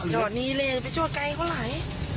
จอดนี้เลยไปจอดไกลก็ไหล